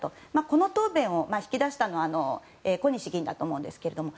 この答弁を引き出したのは小西議員だと思うんですけども